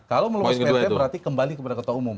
kalau meluas plt berarti kembali kepada ketua umum